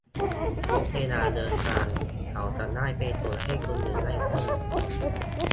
- ลดเวลาเดินทาง เขาจะได้ไปส่งให้คนอื่นได้เพิ่ม